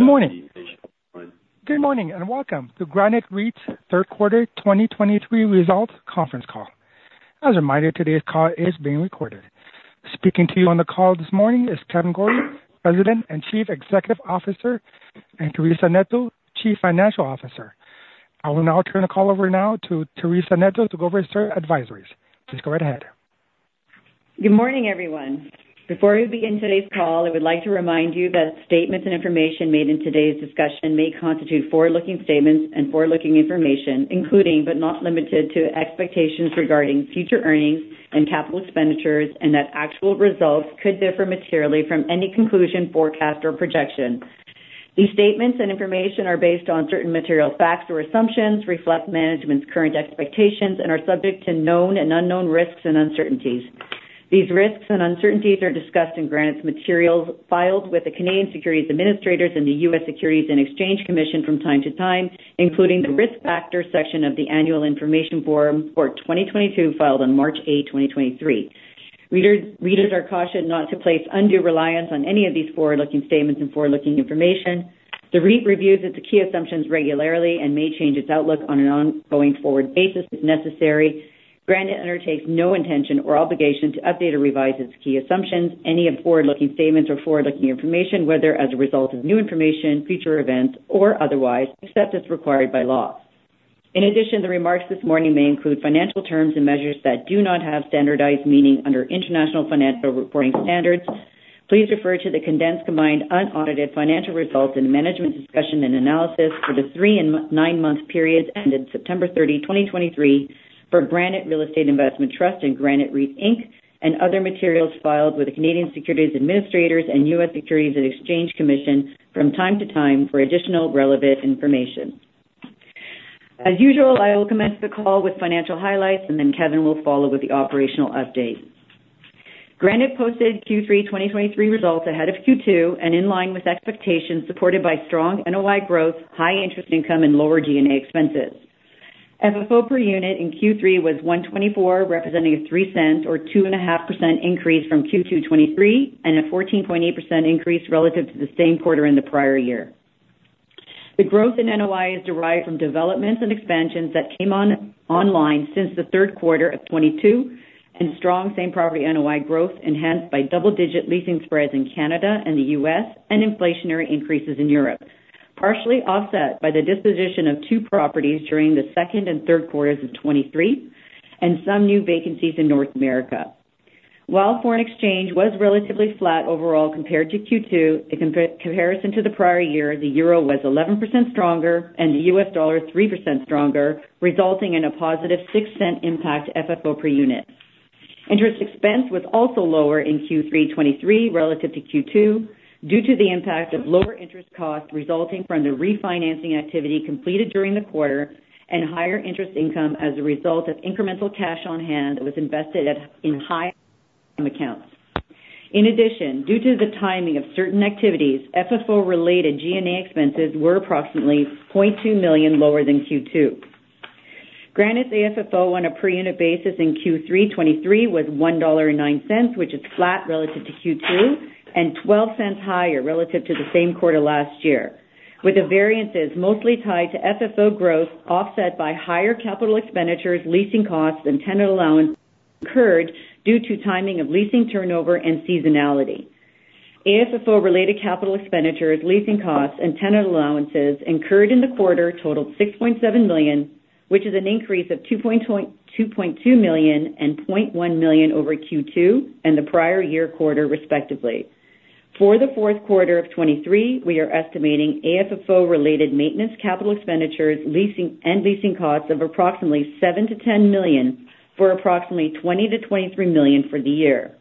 Good morning. Good morning, and welcome to Granite REIT's third quarter 2023 results conference call. As a reminder, today's call is being recorded. Speaking to you on the call this morning is Kevan Gorrie, President and Chief Executive Officer, and Teresa Neto, Chief Financial Officer. I will now turn the call over now to Teresa Neto to go over certain advisories. Please go right ahead. Good morning, everyone. Before we begin today's call, I would like to remind you that statements and information made in today's discussion may constitute forward-looking statements and forward-looking information, including but not limited to, expectations regarding future earnings and capital expenditures, and that actual results could differ materially from any conclusion, forecast, or projection. These statements and information are based on certain material facts or assumptions, reflect management's current expectations, and are subject to known and unknown risks and uncertainties. These risks and uncertainties are discussed in Granite's materials filed with the Canadian Securities Administrators and the U.S. Securities and Exchange Commission from time to time, including the Risk Factors section of the Annual Information Form for 2022, filed on March 8, 2023. Readers are cautioned not to place undue reliance on any of these forward-looking statements and forward-looking information. The REIT reviews its key assumptions regularly and may change its outlook on an ongoing forward basis, if necessary. Granite undertakes no intention or obligation to update or revise its key assumptions, any of forward-looking statements or forward-looking information, whether as a result of new information, future events, or otherwise, except as required by law. In addition, the remarks this morning may include financial terms and measures that do not have standardized meaning under International Financial Reporting Standards. Please refer to the condensed combined unaudited financial results and Management Discussion and Analysis for the three- and nine-month periods ended September 30, 2023 for Granite Real Estate Investment Trust and Granite REIT Inc., and other materials filed with the Canadian Securities Administrators and U.S. Securities and Exchange Commission from time to time for additional relevant information. As usual, I will commence the call with financial highlights, and then Kevan will follow with the operational update. Granite posted Q3 2023 results ahead of Q2 and in line with expectations, supported by strong NOI growth, high interest income, and lower G&A expenses. FFO per unit in Q3 was 1.24, representing a 0.03 or 2.5% increase from Q2 2023, and a 14.8% increase relative to the same quarter in the prior year. The growth in NOI is derived from developments and expansions that came online since the third quarter of 2022, and strong same property NOI growth, enhanced by double-digit leasing spreads in Canada and the U.S., and inflationary increases in Europe. partially offset by the disposition of 2 properties during the second and third quarters of 2023, and some new vacancies in North America. While foreign exchange was relatively flat overall compared to Q2, in comparison to the prior year, the euro was 11% stronger and the U.S. dollar 3% stronger, resulting in a positive 0.06 impact to FFO per unit. Interest expense was also lower in Q3 2023 relative to Q2, due to the impact of lower interest costs resulting from the refinancing activity completed during the quarter, and higher interest income as a result of incremental cash on hand that was invested at, in high interest accounts. In addition, due to the timing of certain activities, FFO-related G&A expenses were approximately 0.2 million lower than Q2. Granite's AFFO on a per unit basis in Q3 2023 was 1.09 dollar, which is flat relative to Q2, and 12 cents higher relative to the same quarter last year, with the variances mostly tied to FFO growth, offset by higher capital expenditures, leasing costs, and tenant allowance incurred due to timing of leasing turnover and seasonality. AFFO-related capital expenditures, leasing costs, and tenant allowances incurred in the quarter totaled 6.7 million, which is an increase of 2.2 million and 0.1 million over Q2 and the prior year quarter, respectively. For the fourth quarter of 2023, we are estimating AFFO-related maintenance, capital expenditures, leasing, and leasing costs of approximately CAD 7-$10 million, for approximately CAD 20-$23 million for the year.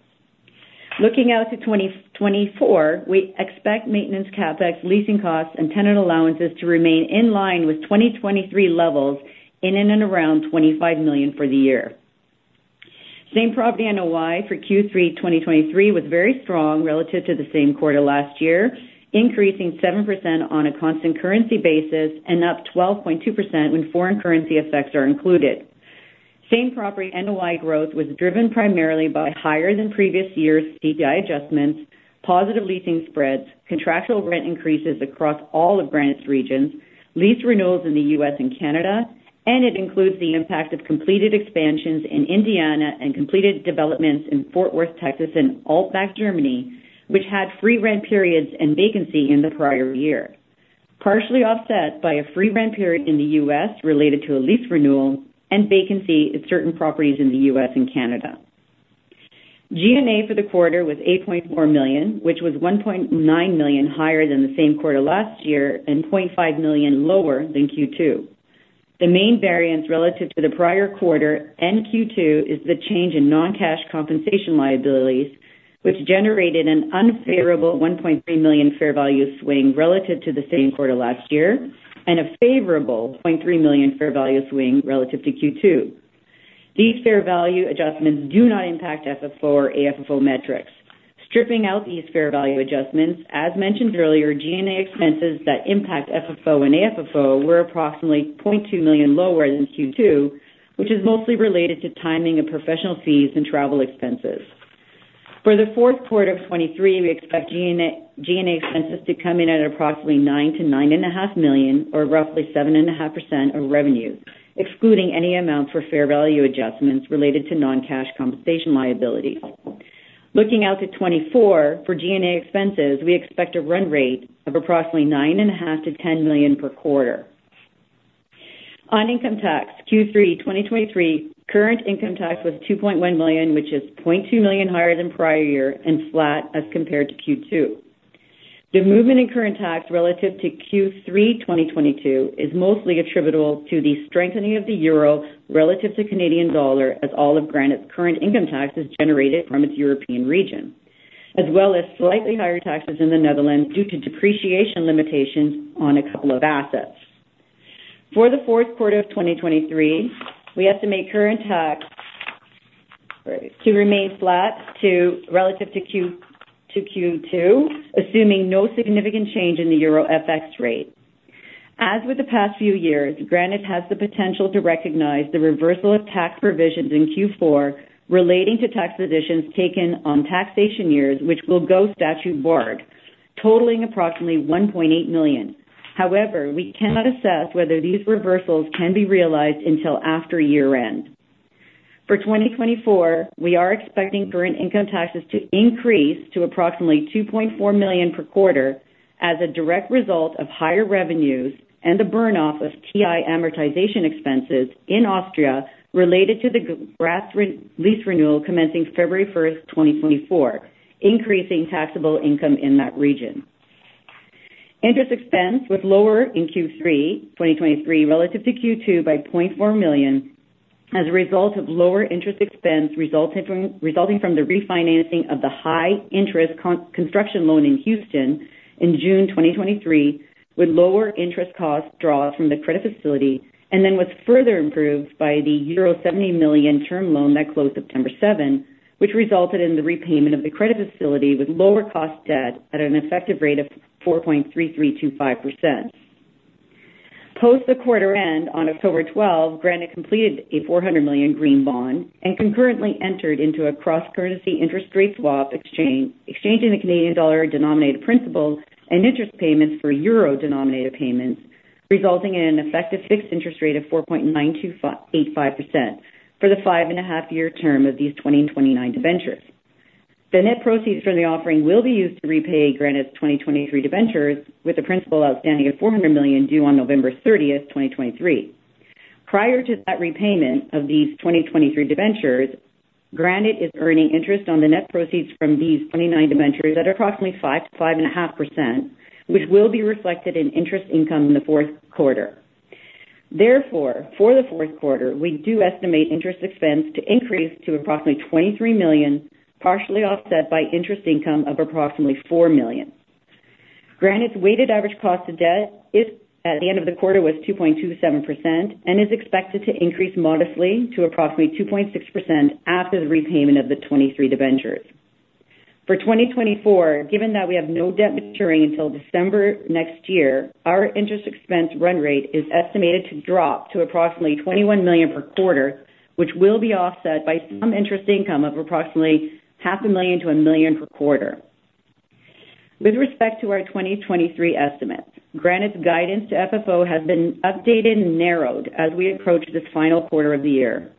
Looking out to 2024, we expect maintenance, CapEx, leasing costs, and tenant allowances to remain in line with 2023 levels in and around 25 million for the year. Same-Property NOI for Q3 2023 was very strong relative to the same quarter last year, increasing 7% on a constant currency basis and up 12.2% when foreign currency effects are included. Same-Property NOI growth was driven primarily by higher than previous years' CPI adjustments, positive leasing spreads, contractual rent increases across all of Granite's regions, lease renewals in the U.S. and Canada, and it includes the impact of completed expansions in Indiana and completed developments in Fort Worth, Texas, and Altbach, Germany, which had free rent periods and vacancy in the prior year. Partially offset by a free rent period in the U.S. related to a lease renewal and vacancy in certain properties in the U.S. and Canada. G&A for the quarter was 8.4 million, which was 1.9 million higher than the same quarter last year, and 0.5 million lower than Q2. The main variance relative to the prior quarter and Q2 is the change in non-cash compensation liabilities, which generated an unfavorable 1.3 million fair value swing relative to the same quarter last year, and a favorable 0.3 million fair value swing relative to Q2. These fair value adjustments do not impact FFO or AFFO metrics. Stripping out these fair value adjustments, as mentioned earlier, G&A expenses that impact FFO and AFFO were approximately 0.2 million lower than Q2, which is mostly related to timing of professional fees and travel expenses. For the fourth quarter of 2023, we expect G&A, G&A expenses to come in at approximately CAD 9-$9.5 million, or roughly 7.5% of revenue, excluding any amount for fair value adjustments related to non-cash compensation liability. Looking out to 2024, for G&A expenses, we expect a run rate of approximately CAD 9.5-$10 million per quarter. On income tax, Q3 2023, current income tax was 2.1 million, which is 0.2 million higher than prior year and flat as compared to Q2. The movement in current tax relative to Q3 2022 is mostly attributable to the strengthening of the euro relative to Canadian dollar, as all of Granite's current income tax is generated from its European region, as well as slightly higher taxes in the Netherlands due to depreciation limitations on a couple of assets. For the fourth quarter of 2023, we estimate current tax to remain flat relative to Q2, assuming no significant change in the euro FX rate. As with the past few years, Granite has the potential to recognize the reversal of tax provisions in Q4 relating to tax positions taken on taxation years, which will go statute-barred, totaling approximately 1.8 million. However, we cannot assess whether these reversals can be realized until after year-end. For 2024, we are expecting current income taxes to increase to approximately 2.4 million per quarter as a direct result of higher revenues and the burn off of TI amortization expenses in Austria related to the lease renewal commencing February first, 2024, increasing taxable income in that region. Interest expense was lower in Q3 2023 relative to Q2 by 0.4 million as a result of lower interest expense resulting from the refinancing of the high interest construction loan in Houston in June 2023, with lower interest costs drawn from the credit facility, and then was further improved by the euro 70 million term loan that closed September 7, which resulted in the repayment of the credit facility with lower cost debt at an effective rate of 4.3325%. Post the quarter end on October 12, Granite completed a 400 million green bond and concurrently entered into a cross-currency interest rate swap exchange, exchanging the Canadian dollar-denominated principal and interest payments for euro-denominated payments, resulting in an effective fixed interest rate of 4.9285% for the 5.5-year term of these 2029 debentures. The net proceeds from the offering will be used to repay Granite's 2023 debentures, with a principal outstanding of 400 million due on November 30, 2023. Prior to that repayment of these 2023 debentures, Granite is earning interest on the net proceeds from these 2029 debentures at approximately 5%-5.5%, which will be reflected in interest income in the fourth quarter. Therefore, for the fourth quarter, we do estimate interest expense to increase to approximately 23 million, partially offset by interest income of approximately 4 million. Granite's weighted average cost of debt is, at the end of the quarter, was 2.27% and is expected to increase modestly to approximately 2.6% after the repayment of the 2023 debentures. For 2024, given that we have no debt maturing until December next year, our interest expense run rate is estimated to drop to approximately 21 million per quarter, which will be offset by some interest income of approximately 500,000-1 million per quarter. With respect to our 2023 estimates, Granite's guidance to FFO has been updated and narrowed as we approach this final quarter of the year.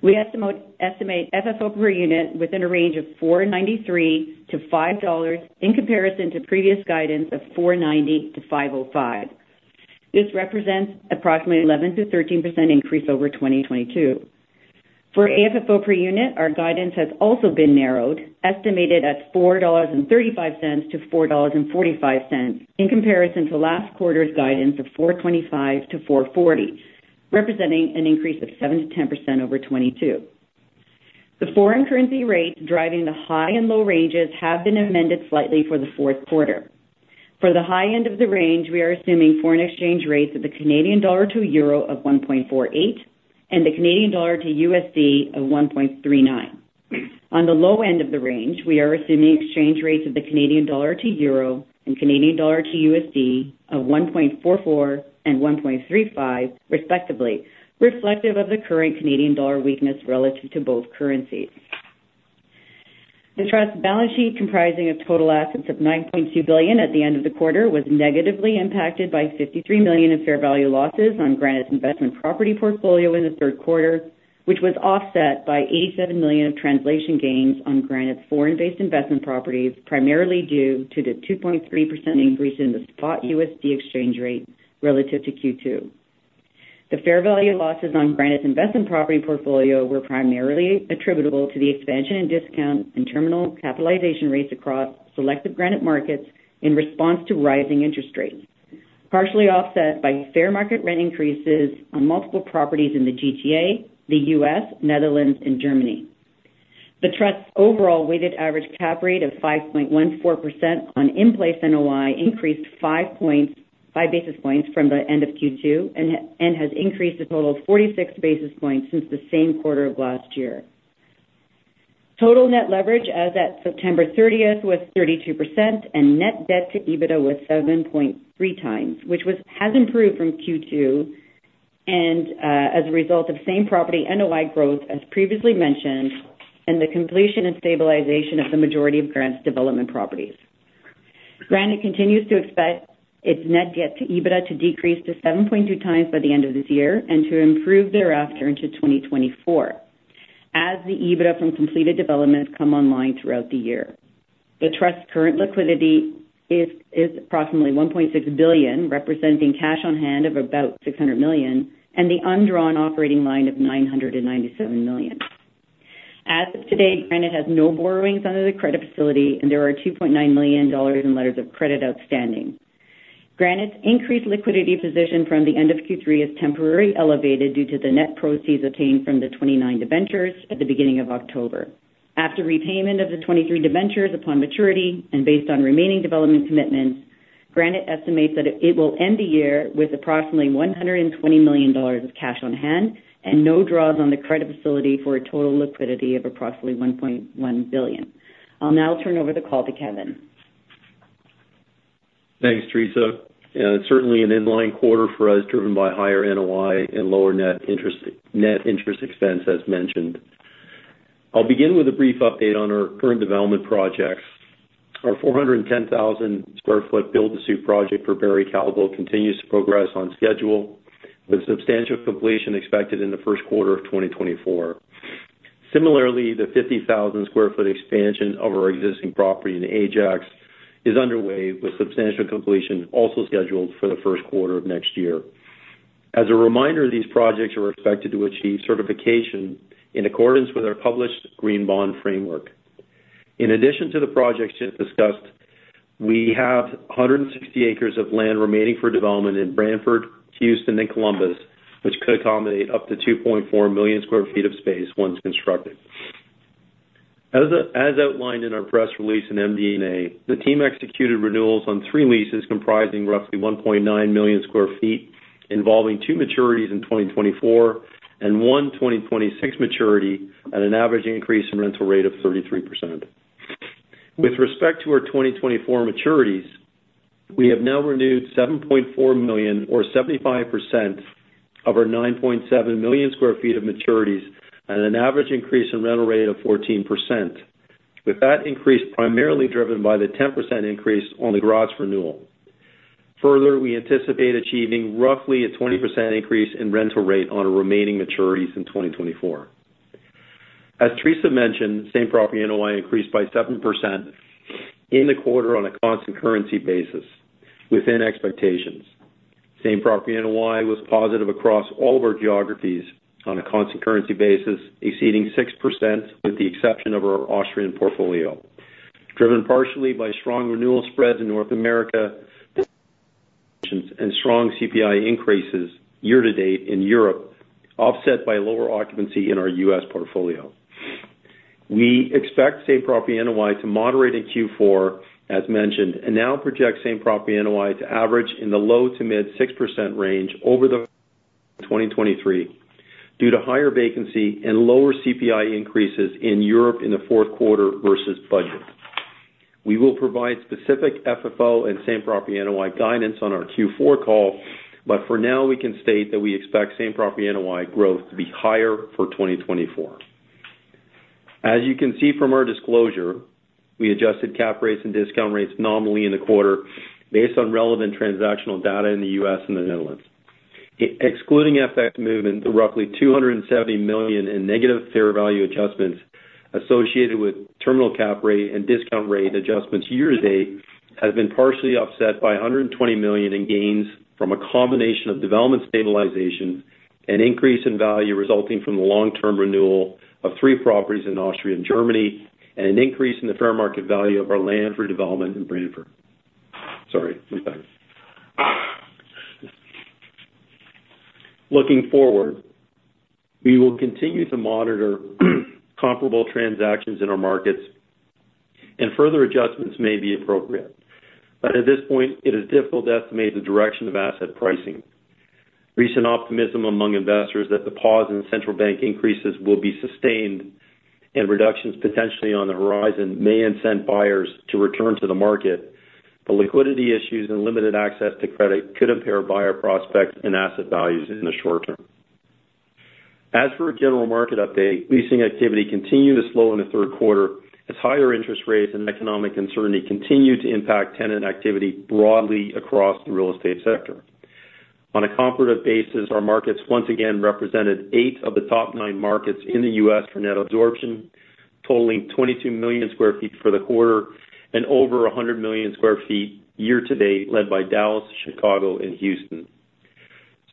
We estimate FFO per unit within a range of 4.93-5 dollars, in comparison to previous guidance of 4.90-5.05. This represents approximately 11%-13% increase over 2022. For AFFO per unit, our guidance has also been narrowed, estimated at 4.35-4.45 dollars, in comparison to last quarter's guidance of 4.25-4.40, representing an increase of 7%-10% over 2022. The foreign currency rates driving the high and low ranges have been amended slightly for the fourth quarter. For the high end of the range, we are assuming foreign exchange rates of the Canadian dollar to euro of 1.48 and the Canadian dollar to USD of 1.39. On the low end of the range, we are assuming exchange rates of the Canadian dollar to euro and Canadian dollar to USD of 1.44 and 1.35, respectively, reflective of the current Canadian dollar weakness relative to both currencies. The Trust's balance sheet, comprising of total assets of CAD 9.2 billion at the end of the quarter, was negatively impacted by CAD 53 million in fair value losses on Granite's investment property portfolio in the third quarter, which was offset by 87 million of translation gains on Granite's foreign-based investment properties, primarily due to the 2.3% increase in the spot USD exchange rate relative to Q2. The fair value losses on Granite's investment property portfolio were primarily attributable to the expansion in discount and terminal capitalization rates across selected Granite markets in response to rising interest rates, partially offset by fair market rent increases on multiple properties in the GTA, the U.S., Netherlands, and Germany. The Trust's overall weighted average cap rate of 5.14% on in-place NOI increased 5 basis points from the end of Q2 and has increased a total of 46 basis points since the same quarter of last year. Total net leverage as at September 30 was 32%, and net debt to EBITDA was 7.3 times, which has improved from Q2 and, as a result of same property NOI growth, as previously mentioned, and the completion and stabilization of the majority of Granite's development properties. Granite continues to expect its net debt to EBITDA to decrease to 7.2x by the end of this year and to improve thereafter into 2024, as the EBITDA from completed developments come online throughout the year. The trust's current liquidity is approximately 1.6 billion, representing cash on hand of about 600 million, and the undrawn operating line of 997 million. As of today, Granite has no borrowings under the credit facility, and there are 2.9 million dollars in letters of credit outstanding. Granite's increased liquidity position from the end of Q3 is temporarily elevated due to the net proceeds obtained from the 2029 debentures at the beginning of October. After repayment of the 2023 debentures upon maturity and based on remaining development commitments, Granite estimates that it will end the year with approximately 120 million dollars of cash on hand and no draws on the credit facility for a total liquidity of approximately 1.1 billion. I'll now turn over the call to Kevan. Thanks, Teresa. Certainly an in-line quarter for us, driven by higher NOI and lower net interest, net interest expense, as mentioned. I'll begin with a brief update on our current development projects. Our 410,000 sq ft build-to-suit project for Barry Callebaut continues to progress on schedule, with substantial completion expected in the first quarter of 2024. Similarly, the 50,000 sq ft expansion of our existing property in Ajax is underway, with substantial completion also scheduled for the first quarter of next year. As a reminder, these projects are expected to achieve certification in accordance with our published Green Bond Framework. In addition to the projects just discussed, we have 160 acres of land remaining for development in Brantford, Houston, and Columbus, which could accommodate up to 2.4 million sq ft of space once constructed. As outlined in our press release in MD&A, the team executed renewals on three leases comprising roughly 1.9 million sq ft, involving two maturities in 2024 and one 2026 maturity at an average increase in rental rate of 33%. With respect to our 2024 maturities, we have now renewed 7.4 million, or 75%, of our 9.7 million sq ft of maturities at an average increase in rental rate of 14%, with that increase primarily driven by the 10% increase on the Graz renewal. Further, we anticipate achieving roughly a 20% increase in rental rate on our remaining maturities in 2024. As Teresa mentioned, same property NOI increased by 7% in the quarter on a constant currency basis, within expectations. Same-Property NOI was positive across all of our geographies on a constant-currency basis, exceeding 6%, with the exception of our Austrian portfolio, driven partially by strong renewal spreads in North America and strong CPI increases year-to-date in Europe, offset by lower occupancy in our U.S. portfolio. We expect Same-Property NOI to moderate in Q4, as mentioned, and now project Same-Property NOI to average in the low-to-mid 6% range over 2023, due to higher vacancy and lower CPI increases in Europe in the fourth quarter versus budget. We will provide specific FFO and Same-Property NOI guidance on our Q4 call, but for now, we can state that we expect Same-Property NOI growth to be higher for 2024. As you can see from our disclosure, we adjusted cap rates and discount rates nominally in the quarter based on relevant transactional data in the U.S. and the Netherlands. Excluding FX movement, the roughly 270 million in negative fair value adjustments associated with terminal cap rate and discount rate adjustments year-to-date have been partially offset by 120 million in gains from a combination of development stabilization and increase in value resulting from the long-term renewal of three properties in Austria and Germany, and an increase in the fair market value of our land for development in Brantford. Sorry, one second. Looking forward, we will continue to monitor comparable transactions in our markets, and further adjustments may be appropriate. At this point, it is difficult to estimate the direction of asset pricing. Recent optimism among investors that the pause in central bank increases will be sustained and reductions potentially on the horizon may incent buyers to return to the market, but liquidity issues and limited access to credit could impair buyer prospects and asset values in the short term. As for a general market update, leasing activity continued to slow in the third quarter, as higher interest rates and economic uncertainty continued to impact tenant activity broadly across the real estate sector. On a comparative basis, our markets once again represented eight of the top nine markets in the U.S. for net absorption, totaling 22 million sq ft for the quarter and over 100 million sq ft year to date, led by Dallas, Chicago, and Houston.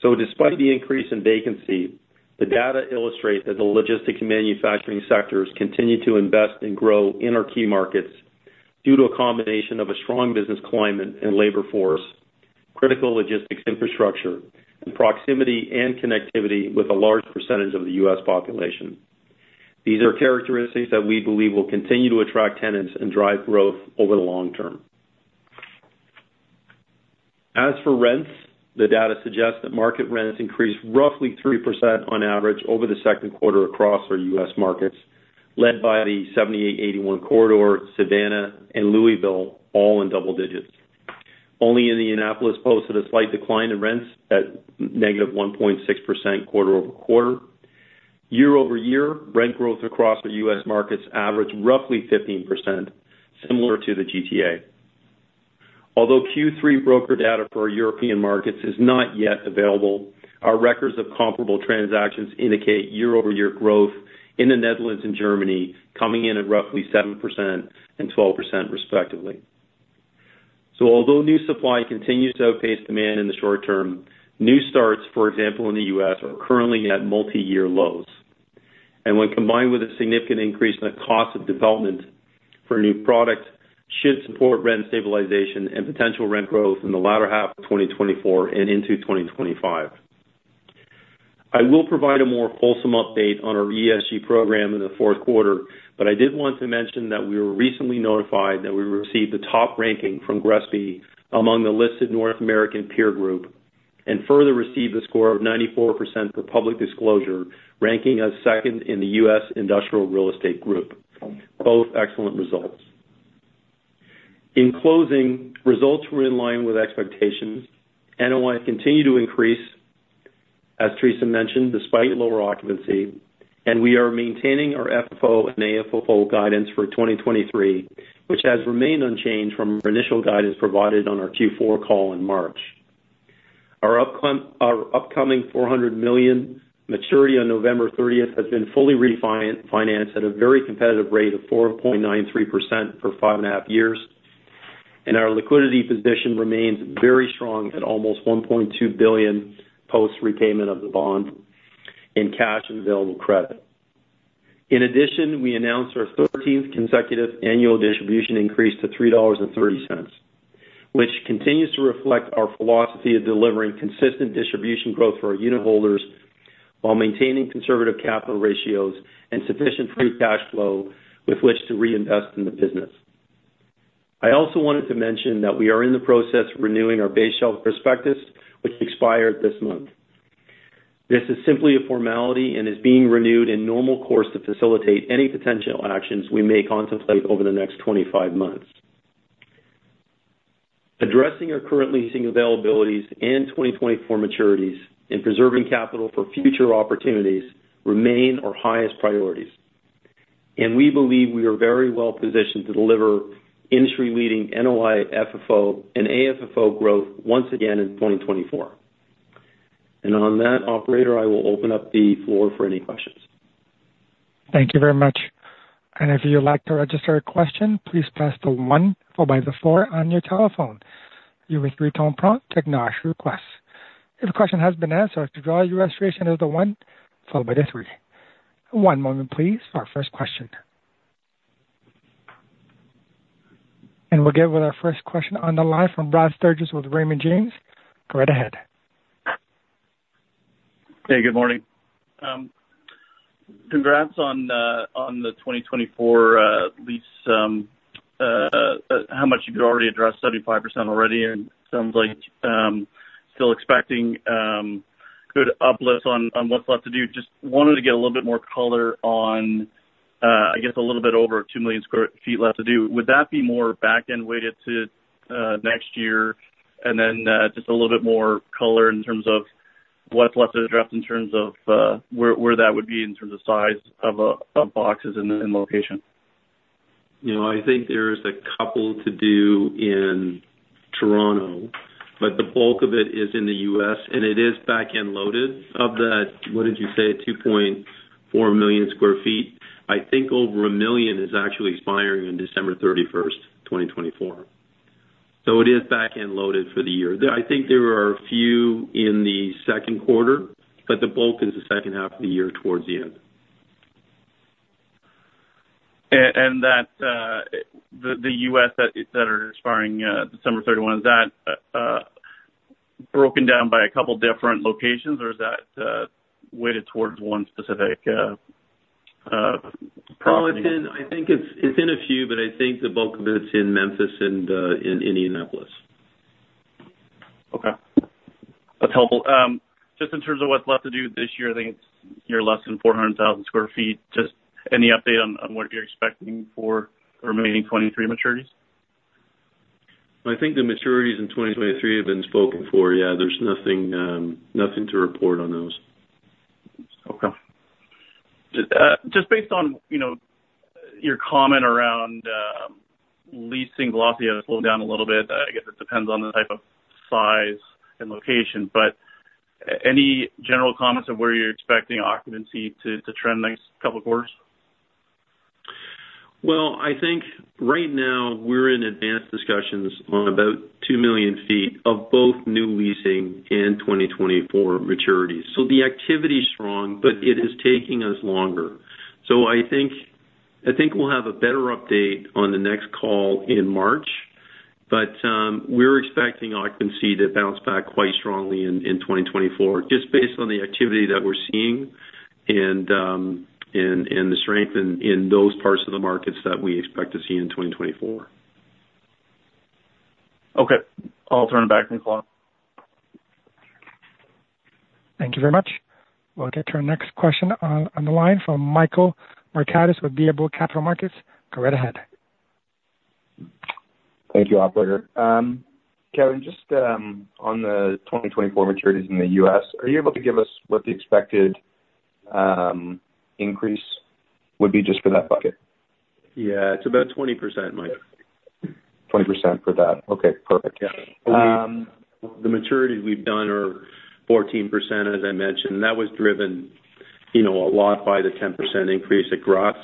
So despite the increase in vacancy, the data illustrate that the logistics and manufacturing sectors continue to invest and grow in our key markets due to a combination of a strong business climate and labor force, critical logistics infrastructure, and proximity and connectivity with a large percentage of the U.S. population. These are characteristics that we believe will continue to attract tenants and drive growth over the long term. As for rents, the data suggests that market rents increased roughly 3% on average over the second quarter across our U.S. markets, led by the I-78/I-81 corridor, Savannah and Louisville, all in double digits. Only Indianapolis posted a slight decline in rents at -1.6% quarter-over-quarter. Year-over-year, rent growth across the U.S. markets averaged roughly 15%, similar to the GTA. Although Q3 broker data for our European markets is not yet available, our records of comparable transactions indicate year-over-year growth in the Netherlands and Germany, coming in at roughly 7% and 12% respectively. So although new supply continues to outpace demand in the short term, new starts, for example, in the U.S., are currently at multi-year lows, and when combined with a significant increase in the cost of development for new products, should support rent stabilization and potential rent growth in the latter half of 2024 and into 2025. I will provide a more wholesome update on our ESG program in the fourth quarter, but I did want to mention that we were recently notified that we received the top ranking from GRESB among the listed North American peer group, and further received a score of 94% for public disclosure, ranking us second in the U.S. industrial real estate group. Both excellent results. In closing, results were in line with expectations. NOI continued to increase, as Teresa mentioned, despite lower occupancy, and we are maintaining our FFO and AFFO guidance for 2023, which has remained unchanged from our initial guidance provided on our Q4 call in March. Our upcoming 400 million maturity on November 30th has been fully refinanced at a very competitive rate of 4.93% for 5.5 years, and our liquidity position remains very strong at almost 1.2 billion post repayment of the bond in cash and available credit. In addition, we announced our 13th consecutive annual distribution increase to 3.30 dollars, which continues to reflect our philosophy of delivering consistent distribution growth for our unitholders while maintaining conservative capital ratios and sufficient free cash flow with which to reinvest in the business. I also wanted to mention that we are in the process of renewing our base shelf prospectus, which expired this month. This is simply a formality and is being renewed in normal course to facilitate any potential actions we may contemplate over the next 25 months. Addressing our current leasing availabilities and 2024 maturities and preserving capital for future opportunities remain our highest priorities, and we believe we are very well positioned to deliver industry-leading NOI, FFO, and AFFO growth once again in 2024. And on that, operator, I will open up the floor for any questions. Thank you very much. If you'd like to register a question, please press 1 followed by 4 on your telephone. You will hear a two-tone prompt to acknowledge request. If a question has been answered, to withdraw your registration, press 1 followed by 3. One moment, please, for our first question. And we'll get with our first question on the line from Brad Sturges with Raymond James. Go right ahead. Hey, good morning. Congrats on, on the 2024, lease, how much you've already addressed, 75% already, and sounds like, still expecting, good uplifts on, on what's left to do. Just wanted to get a little bit more color on, I guess a little bit over 2 million sq ft left to do. Would that be more back-end weighted to, next year? And then, just a little bit more color in terms of what's left to address in terms of, where, where that would be in terms of size of, of boxes and, and location. You know, I think there is a couple to do in Toronto, but the bulk of it is in the U.S., and it is back-end loaded. Of that, what did you say? 2.4 million sq ft. I think over 1 million is actually expiring on December 31, 2024. So it is back-end loaded for the year. There, I think there are a few in the second quarter, but the bulk is the second half of the year, towards the end... the U.S. that are expiring December 31, is that broken down by a couple of different locations, or is that weighted towards one specific? Well, it's in a few, but I think the bulk of it's in Memphis and in Indianapolis. Okay. That's helpful. Just in terms of what's left to do this year, I think it's you're less than 400,000 sq ft. Just any update on what you're expecting for the remaining 2023 maturities? I think the maturities in 2023 have been spoken for. Yeah, there's nothing, nothing to report on those. Okay. Just based on, you know, your comment around, leasing velocity has slowed down a little bit. I guess it depends on the type of size and location, but any general comments on where you're expecting occupancy to trend next couple of quarters? Well, I think right now we're in advanced discussions on about 2 million sq ft of both new leasing and 2024 maturities. So the activity is strong, but it is taking us longer. So I think, I think we'll have a better update on the next call in March, but, we're expecting occupancy to bounce back quite strongly in, in 2024, just based on the activity that we're seeing and, and, and the strength in, in those parts of the markets that we expect to see in 2024. Okay. I'll turn it back in the call. Thank you very much. We'll get to our next question, on the line from Michael Markidis with BMO Capital Markets. Go right ahead. Thank you, operator. Kevan, just on the 2024 maturities in the U.S., are you able to give us what the expected increase would be just for that bucket? Yeah, it's about 20%, Mike. 20% for that. Okay, perfect. Yeah. Um- The maturities we've done are 14%, as I mentioned, that was driven, you know, a lot by the 10% increase at Granite.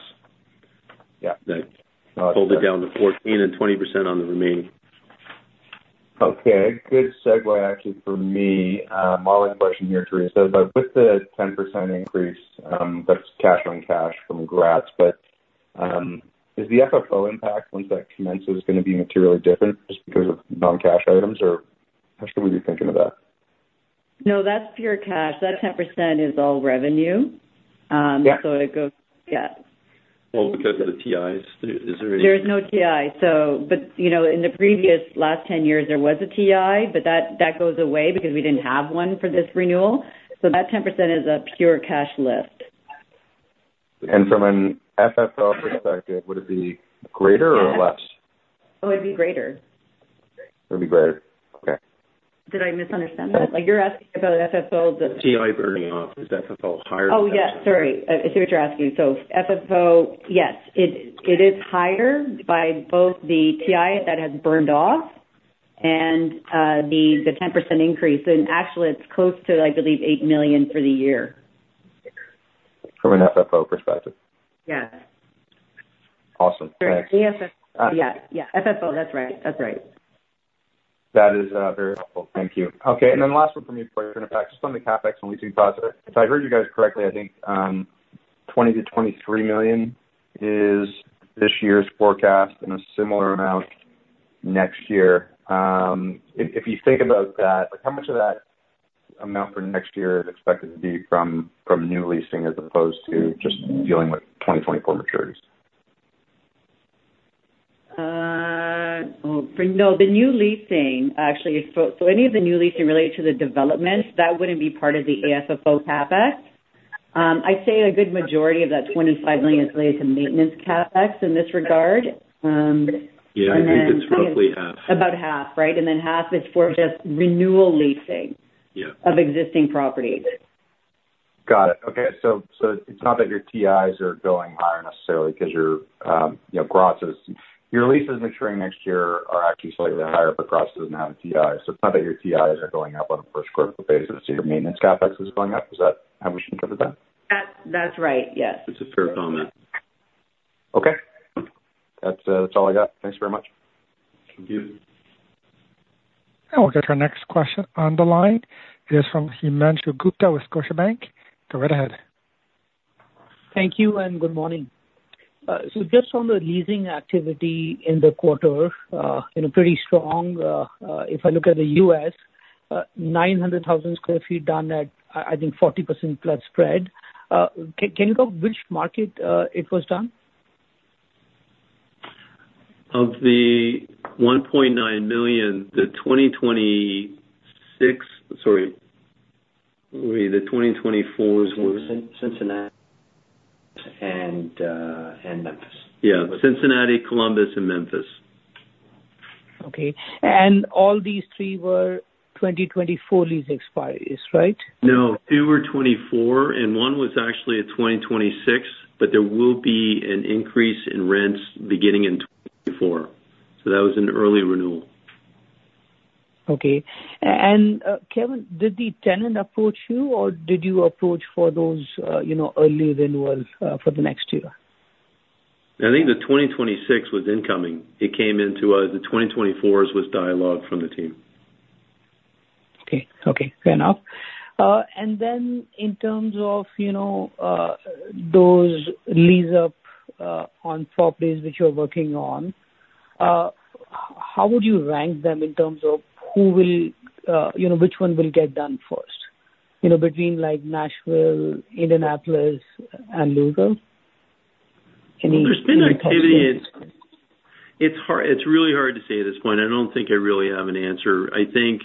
Yeah. That pulled it down to 14 and 20% on the remaining. Okay, good segue actually for me. Modeling question here, Teresa, but with the 10% increase, that's cash on cash from gross. But, is the FFO impact once that commences, gonna be materially different just because of non-cash items, or how should we be thinking of that? No, that's pure cash. That 10% is all revenue. Yeah. So it goes, yeah. Well, because of the TIs, is there- There's no TI. So, but, you know, in the previous last 10 years, there was a TI, but that, that goes away because we didn't have one for this renewal. So that 10% is a pure cash lift. From an FFO perspective, would it be greater or less? It would be greater. It would be greater. Okay. Did I misunderstand that? Like you're asking about FFO, the- TI burning off, is FFO higher? Oh, yeah, sorry. I see what you're asking. So FFO, yes, it is higher by both the TI that has burned off and the 10% increase, and actually it's close to, I believe, 8 million for the year. From an FFO perspective? Yeah. Awesome. Yeah, yeah. FFO, that's right. That's right. That is, very helpful. Thank you. Okay, and then last one from me, in fact, just on the CapEx and leasing process, if I heard you guys correctly, I think, 20 million-23 million is this year's forecast and a similar amount next year. If you think about that, like how much of that amount for next year is expected to be from new leasing as opposed to just dealing with 2024 maturities? No, the new leasing, actually, so any of the new leasing related to the developments, that wouldn't be part of the AFFO CapEx. I'd say a good majority of that 25 million is related to maintenance CapEx in this regard. Yeah, I think it's roughly half. About half, right, and then half is for just renewal leasing- Yeah. - of existing properties. Got it. Okay. So, so it's not that your TIs are going higher necessarily because your, you know, grosses, your leases maturing next year are actually slightly higher for grosses than how TIs. So it's not that your TIs are going up on a square foot basis, so your maintenance CapEx is going up. Is that how we should interpret that? That, that's right, yes. It's a fair comment. Okay. That's, that's all I got. Thanks very much. Thank you. We'll get our next question on the line. It is from Himanshu Gupta with Scotiabank. Go right ahead. Thank you and good morning. So just on the leasing activity in the quarter, in a pretty strong, if I look at the U.S., 900,000 sq ft done at, I think 40% plus spread. Can you tell which market it was done? Of the 1.9 million, the 2026... Sorry, the 2024s were- Cincinnati and, and Memphis. Yeah, Cincinnati, Columbus, and Memphis. Okay. All these three were 2024 lease expiries, right? No, two were 2024, and one was actually a 2026, but there will be an increase in rents beginning in 2024. So that was an early renewal. Okay. Kevan, did the tenant approach you, or did you approach for those, you know, early renewals, for the next year? I think the 2026 was incoming. It came into us. The 2024s was dialogue from the team. Okay. Okay, fair enough. And then in terms of, you know, those lease up on properties which you're working on, how would you rank them in terms of who will, you know, which one will get done first? You know, between like Nashville, Indianapolis, and Louisville? There's been activity. It's hard, it's really hard to say at this point. I don't think I really have an answer. I think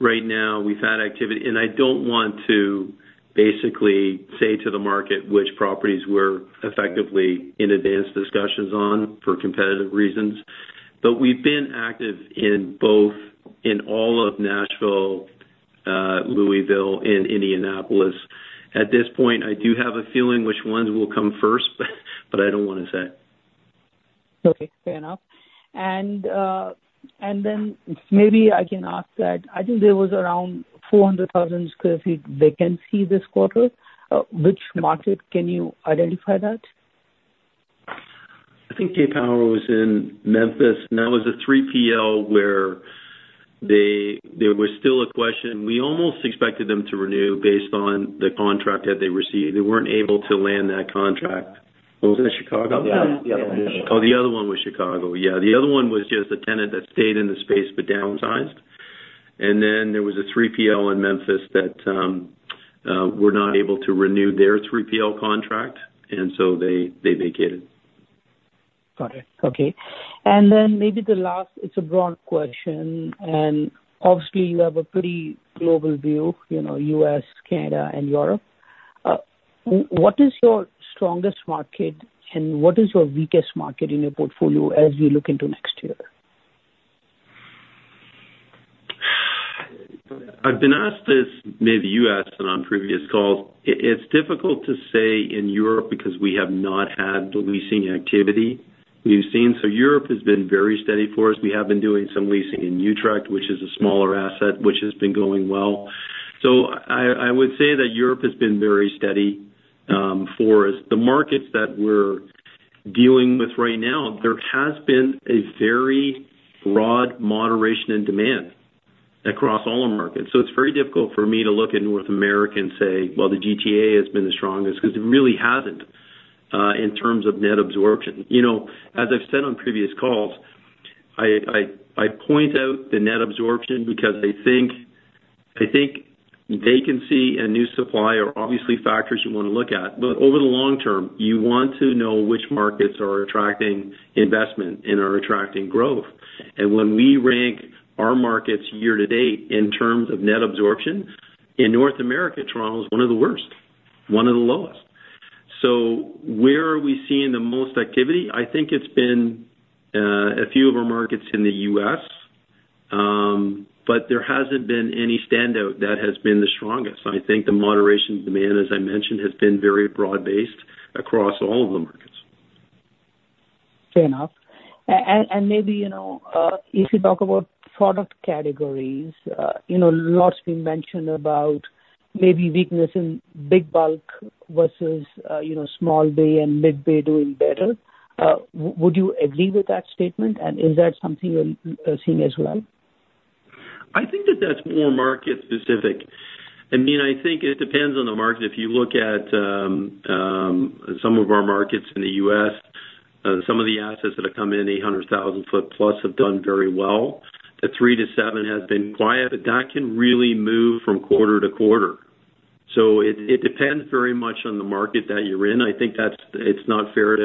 right now we've had activity, and I don't want to basically say to the market which properties we're effectively in advanced discussions on for competitive reasons, but we've been active in both, in all of Nashville, Louisville, and Indianapolis. At this point, I do have a feeling which ones will come first, but I don't want to say. Okay, fair enough. And, and then maybe I can ask that, I think there was around 400,000 sq ft vacancy this quarter. Which market can you identify that? I think Geodis was in Memphis, and that was a 3PL where they... There was still a question. We almost expected them to renew based on the contract that they received. They weren't able to land that contract. Was it in Chicago? Yeah, the other one. Oh, the other one was Chicago. Yeah, the other one was just a tenant that stayed in the space but downsized. And then there was a 3PL in Memphis that were not able to renew their 3PL contract, and so they, they vacated. Got it. Okay. Then maybe the last, it's a broad question, and obviously, you have a pretty global view, you know, U.S., Canada, and Europe. What is your strongest market and what is your weakest market in your portfolio as we look into next year? I've been asked this, maybe you asked it on previous calls. It's difficult to say in Europe because we have not had the leasing activity we've seen. So Europe has been very steady for us. We have been doing some leasing in Utrecht, which is a smaller asset, which has been going well. So I would say that Europe has been very steady for us. The markets that we're dealing with right now, there has been a very broad moderation in demand across all our markets. So it's very difficult for me to look at North America and say, "Well, the GTA has been the strongest," because it really hasn't in terms of net absorption. You know, as I've said on previous calls, I point out the net absorption because I think vacancy and new supply are obviously factors you want to look at. But over the long term, you want to know which markets are attracting investment and are attracting growth. And when we rank our markets year-to-date in terms of net absorption, in North America, Toronto is one of the worst, one of the lowest. So where are we seeing the most activity? I think it's been a few of our markets in the U.S., but there hasn't been any standout that has been the strongest. I think the moderation demand, as I mentioned, has been very broad-based across all of the markets. Fair enough. And maybe, you know, if you talk about product categories, you know, lots been mentioned about maybe weakness in big bulk versus, you know, small bay and mid bay doing better. Would you agree with that statement? And is that something you're seeing as well? I think that that's more market specific. I mean, I think it depends on the market. If you look at, some of our markets in the U.S., some of the assets that have come in, the 800,000 sq ft plus, have done very well. The 3-7 has been quiet, but that can really move from quarter to quarter. So it depends very much on the market that you're in. I think that's. It's not fair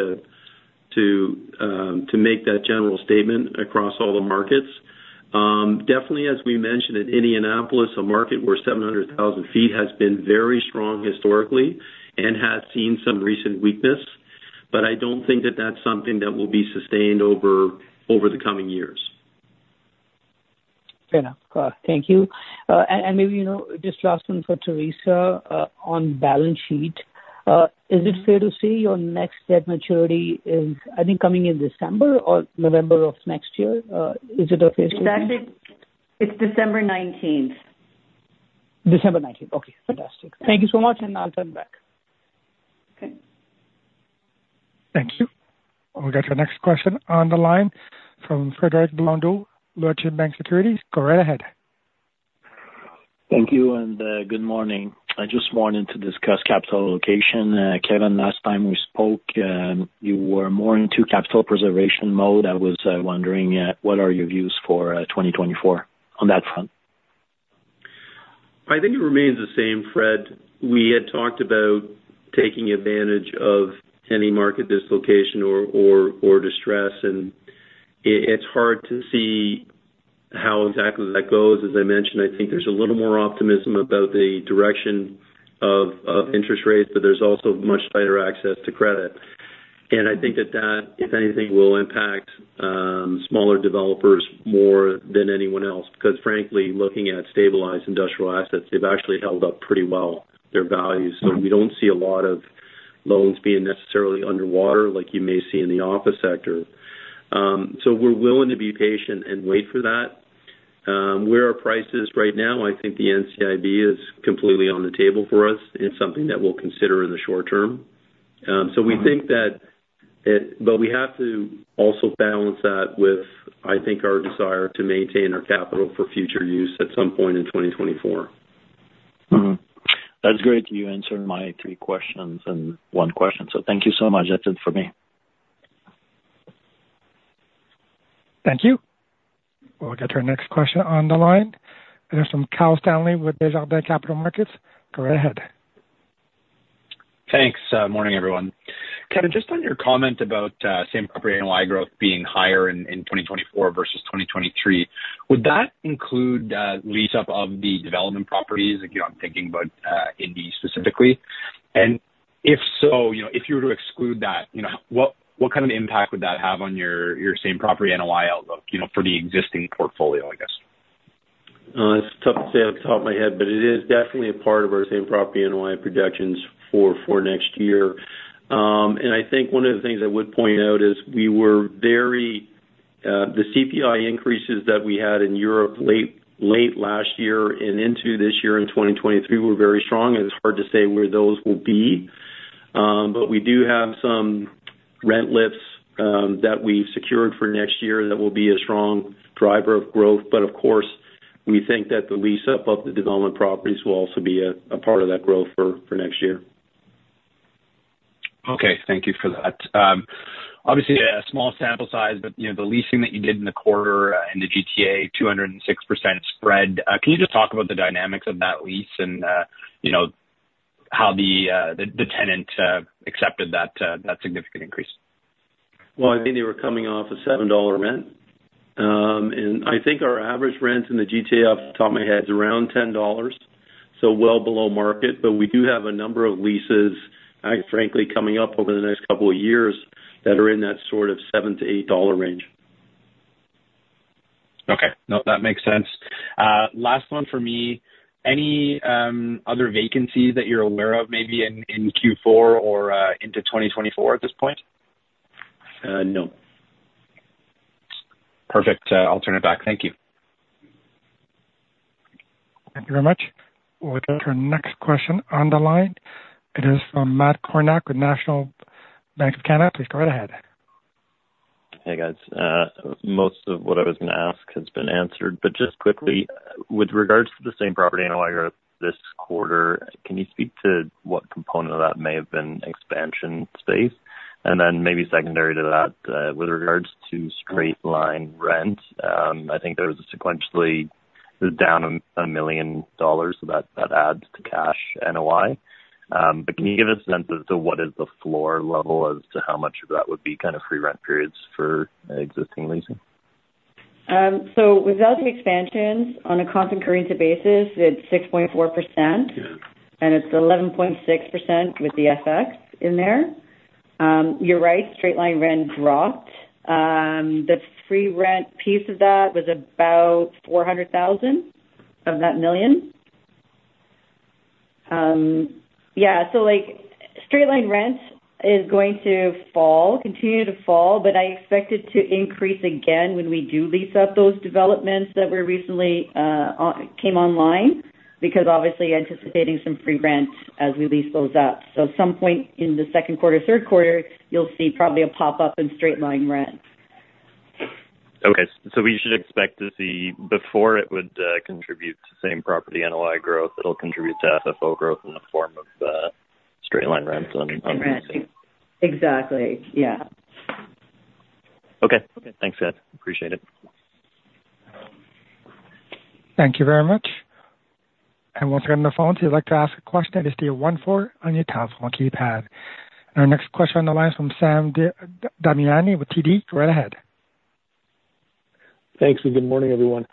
to make that general statement across all the markets. Definitely as we mentioned at Indianapolis, a market where 700,000 sq ft has been very strong historically and has seen some recent weakness, but I don't think that that's something that will be sustained over the coming years. Fair enough. Thank you. And maybe, you know, just last one for Teresa, on balance sheet. Is it fair to say your next debt maturity is, I think, coming in December or November of next year? Is it a fair statement? It's December nineteenth. December nineteenth. Okay, fantastic. Thank you so much, and I'll turn back. Okay. Thank you. We'll get your next question on the line from Frederic Blondeau, Laurentian Bank Securities. Go right ahead. Thank you, good morning. I just wanted to discuss capital allocation. Kevan, last time we spoke, you were more into capital preservation mode. I was wondering, what are your views for 2024 on that front? I think it remains the same, Fred. We had talked about taking advantage of any market dislocation or distress, and it's hard to see how exactly that goes. As I mentioned, I think there's a little more optimism about the direction of interest rates, but there's also much tighter access to credit. And I think that, if anything, will impact smaller developers more than anyone else, because frankly, looking at stabilized industrial assets, they've actually held up pretty well, their values. So we don't see a lot of loans being necessarily underwater, like you may see in the office sector. So we're willing to be patient and wait for that. Where are prices right now? I think the NCIB is completely on the table for us and something that we'll consider in the short term. So we think that it... We have to also balance that with, I think, our desire to maintain our capital for future use at some point in 2024. Mm-hmm. That's great. You answered my three questions in one question, so thank you so much. That's it for me. Thank you. We'll get your next question on the line. It is from Kyle Stanley with Desjardins Capital Markets. Go right ahead. Thanks. Morning, everyone. Kevin, just on your comment about same property NOI growth being higher in 2024 versus 2023, would that include lease up of the development properties? Again, I'm thinking about Indy specifically. And if so, you know, if you were to exclude that, you know, what kind of impact would that have on your same property NOI outlook, you know, for the existing portfolio, I guess? It's tough to say off the top of my head, but it is definitely a part of our Same Property NOI projections for next year. And I think one of the things I would point out is we were very, the CPI increases that we had in Europe late, late last year and into this year in 2023 were very strong, and it's hard to say where those will be. But we do have some rent lifts that we've secured for next year that will be a strong driver of growth. But of course, we think that the lease up of the development properties will also be a part of that growth for next year. Okay. Thank you for that. Obviously, a small sample size, but, you know, the leasing that you did in the quarter, in the GTA, 206% spread. Can you just talk about the dynamics of that lease and, you know, how the tenant accepted that significant increase? Well, I think they were coming off a 7 dollar rent. And I think our average rent in the GTA, off the top of my head, is around 10 dollars, so well below market. But we do have a number of leases, frankly, coming up over the next couple of years that are in that sort of 7-8 dollar range. Okay. No, that makes sense. Last one for me. Any other vacancies that you're aware of maybe in Q4 or into 2024 at this point? Uh, no. Perfect. I'll turn it back. Thank you. Thank you very much. We'll turn to our next question on the line. It is from Matt Kornack with National Bank of Canada. Please go right ahead. Hey, guys. Most of what I was gonna ask has been answered, but just quickly, with regards to the same-property NOI growth this quarter, can you speak to what component of that may have been expansion space? And then maybe secondary to that, with regards to straight-line rent, I think there was sequentially down a 1 million dollars, so that adds to cash NOI. But can you give us a sense as to what is the floor level as to how much of that would be kind of free rent periods for existing leasing? Without the expansions on a constant currency basis, it's 6.4%. Yeah. It's 11.6% with the FX in there. You're right, straight-line rent dropped. The free rent piece of that was about 400,000 of that 1 million. Yeah, so like straight-line rent is going to fall, continue to fall, but I expect it to increase again when we do lease up those developments that were recently came online, because obviously anticipating some free rents as we lease those up. So at some point in the second quarter, third quarter, you'll see probably a pop-up in straight-line rent. Okay. So we should expect to see before it would contribute to Same Property NOI growth, it'll contribute to FFO growth in the form of straight-line rents on leasing. Exactly. Yeah. Okay. Okay, thanks, guys. Appreciate it. Thank you very much. And once again, on the phone, if you'd like to ask a question, just dial one four on your telephone keypad. Our next question on the line is from Sam Damiani with TD. Go right ahead. Thanks, and good morning, everyone.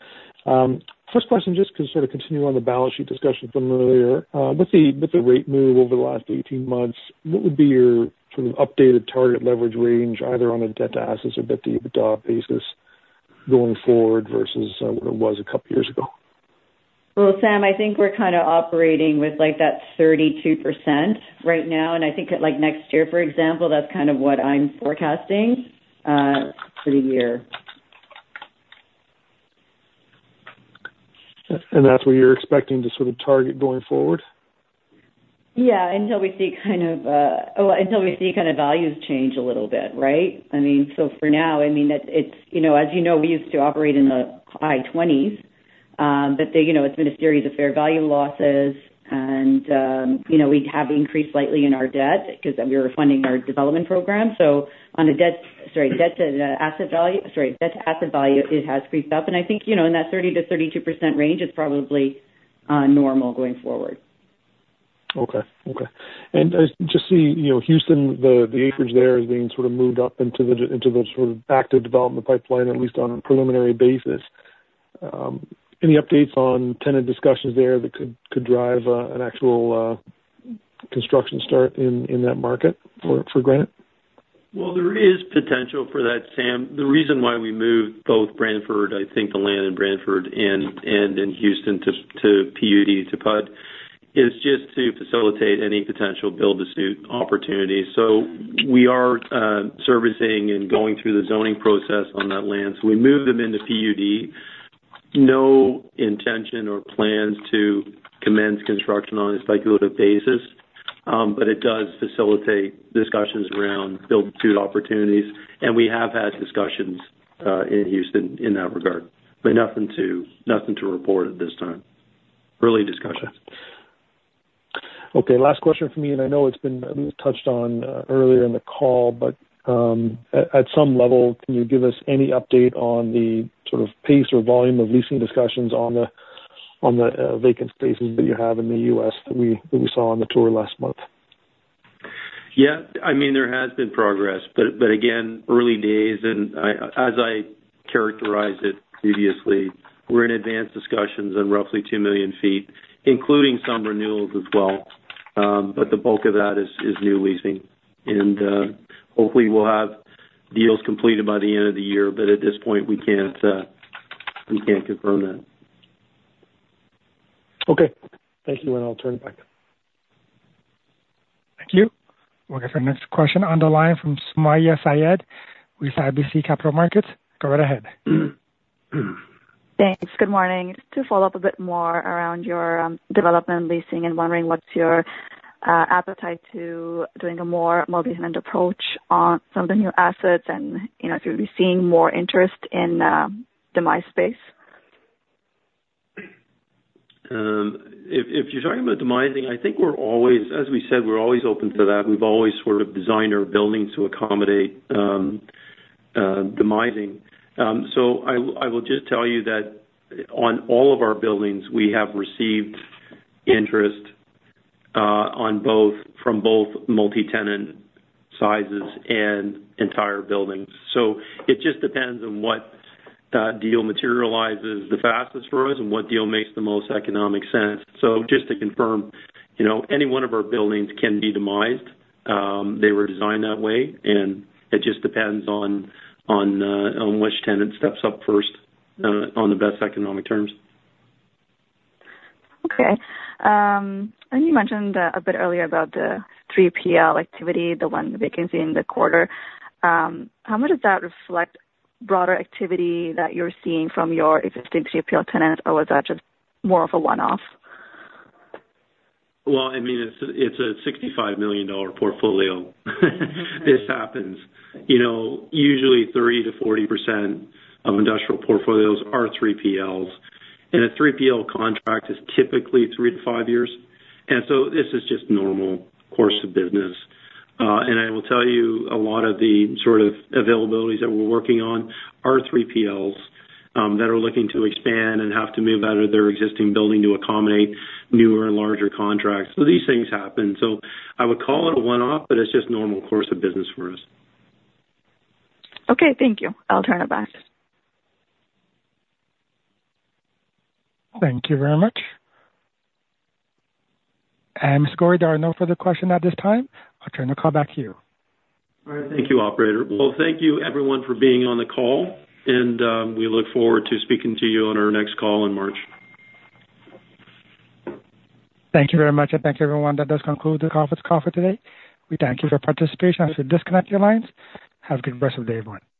First question, just to sort of continue on the balance sheet discussion from earlier. With the rate move over the last 18 months, what would be your sort of updated target leverage range, either on a debt to assets or EBITDA basis, going forward versus what it was a couple years ago? Well, Sam, I think we're kind of operating with like that 32% right now, and I think that like next year, for example, that's kind of what I'm forecasting for the year. That's what you're expecting to sort of target going forward? Yeah, until we see kind of values change a little bit, right? I mean, so for now, I mean, it, it's, you know, as you know, we used to operate in the high twenties, but, you know, it's been a series of fair value losses and, you know, we have increased slightly in our debt because we were funding our development program. So on a debt, sorry, debt to, asset value, sorry, debt to asset value, it has crept up. And I think, you know, in that 30%-32% range is probably normal going forward. Okay. Okay. And as just the, you know, Houston, the acreage there is being sort of moved up into the sort of active development pipeline, at least on a preliminary basis. Any updates on tenant discussions there that could drive an actual construction start in that market for Granite? Well, there is potential for that, Sam. The reason why we moved both Brantford, I think the land in Brantford and in Houston to PUD is just to facilitate any potential build-to-suit opportunities. So we are servicing and going through the zoning process on that land. So we moved them into PUD. No intention or plans to commence construction on a speculative basis, but it does facilitate discussions around build-to-suit opportunities, and we have had discussions in Houston in that regard, but nothing to, nothing to report at this time. Early discussions. Okay, last question for me, and I know it's been touched on earlier in the call, but at some level, can you give us any update on the sort of pace or volume of leasing discussions on the vacant spaces that you have in the U.S. that we saw on the tour last month? Yeah. I mean, there has been progress, but again, early days, and as I characterized it previously, we're in advanced discussions on roughly 2 million sq ft, including some renewals as well. But the bulk of that is new leasing. And hopefully, we'll have deals completed by the end of the year, but at this point, we can't, we can't confirm that. Okay. Thank you, and I'll turn it back. Thank you. We'll get our next question on the line from Sumayya Syed with RBC Capital Markets. Go right ahead. Thanks. Good morning. Just to follow up a bit more around your development and leasing, and wondering what's your appetite to doing a more multi-tenant approach on some of the new assets and, you know, if you'll be seeing more interest in demise space? If you're talking about demising, I think we're always, as we said, open to that. We've always sort of designed our buildings to accommodate demising. So I will just tell you that on all of our buildings, we have received interest on both from both multi-tenant sizes and entire buildings. So it just depends on what deal materializes the fastest for us and what deal makes the most economic sense. So just to confirm, you know, any one of our buildings can be demised. They were designed that way, and it just depends on which tenant steps up first on the best economic terms. Okay. You mentioned a bit earlier about the 3PL activity, the one vacancy in the quarter. How much does that reflect broader activity that you're seeing from your existing 3PL tenant, or was that just more of a one-off? Well, I mean, it's a 65 million dollar portfolio. This happens. You know, usually 30%-40% of industrial portfolios are 3PLs, and a 3PL contract is typically 3-5 years. And so this is just normal course of business. And I will tell you, a lot of the sort of availabilities that we're working on are 3PLs that are looking to expand and have to move out of their existing building to accommodate newer and larger contracts. So, these things happen. So I would call it a one-off, but it's just normal course of business for us. Okay, thank you. I'll turn it back. Thank you very much. Mr. Gorrie, there are no further questions at this time. I'll turn the call back to you. All right. Thank you, operator. Well, thank you, everyone, for being on the call, and we look forward to speaking to you on our next call in March. Thank you very much, and thank you, everyone. That does conclude the conference call for today. We thank you for your participation. You may disconnect your lines. Have a good rest of day one.